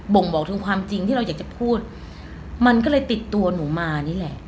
่งบอกถึงความจริงที่เราอยากจะพูดมันก็เลยติดตัวหนูมานี่แหละ